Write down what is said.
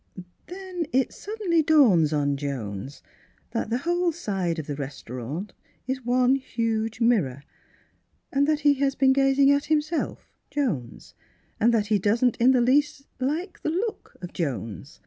Then it suddenly dawns on Jones that the whole side of the restaurant is one huge mirror, and that he has been gazing at himself, Jones, and that he doesn't in the least like the looks of Jones.